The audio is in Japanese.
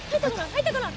入ったかな？